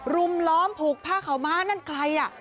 ล้อมผูกผ้าขาวม้านั่นใครอ่ะ